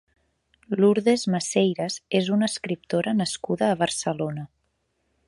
Lourdes Maceiras és una escriptora nascuda a Barcelona.